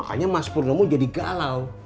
makanya mas purnomo jadi galau